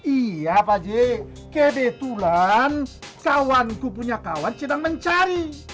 iya fadji kebetulan kawanku punya kawan sedang mencari